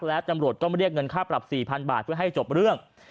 และตำรวจก็มาเรียกเงินค่าปรับ๔๐๐๐บาทเพื่อให้จบเรื่อง